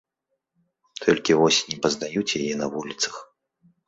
Толькі вось не пазнаюць яе на вуліцах.